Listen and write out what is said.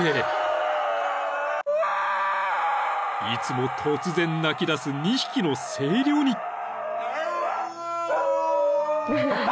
［いつも突然鳴きだす２匹の声量に］